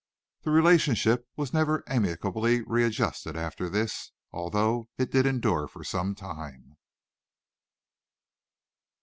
The relationship was never amicably readjusted after this, although it did endure for some time.